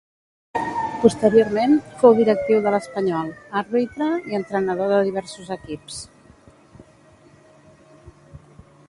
Posteriorment fou directiu de l'Espanyol, àrbitre i entrenador de diversos equips.